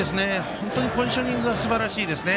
本当にポジショニングがすばらしいですね。